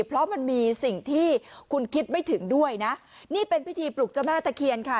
เพราะมันมีสิ่งที่คุณคิดไม่ถึงด้วยนะนี่เป็นพิธีปลุกเจ้าแม่ตะเคียนค่ะ